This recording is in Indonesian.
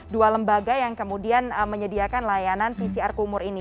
dua lembaga yang kemudian menyediakan layanan pcr kumur ini